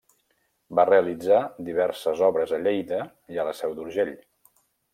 Va realitzar diverses obres a Lleida i a la Seu d'Urgell.